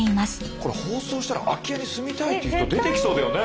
これ放送したら空き家に住みたいって人出てきそうだよね。